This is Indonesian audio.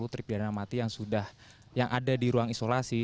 sepuluh terpi dana mati yang sudah yang ada di ruang isolasi